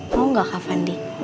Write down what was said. mau gak kak fandi